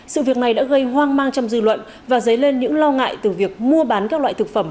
sự việc này đã gây hoang mang trong dư luận và dấy lên những lo ngại từ việc mua bán các loại thực phẩm